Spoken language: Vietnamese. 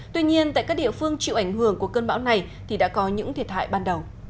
tuy nhiên tại các địa phương chịu ảnh hưởng của cơn bão này thì đã có những thiệt hại ban đầu